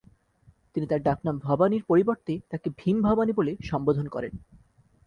তিনি তার ডাকনাম 'ভবানী'-র পরিবর্তে তাকে 'ভীম ভবানী' বলে সম্বোধন করেন।